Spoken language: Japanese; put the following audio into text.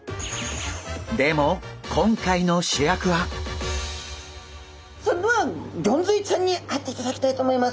でもそれではギョンズイちゃんに会っていただきたいと思います。